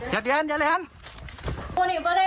หยุดอย่าเลี่ยน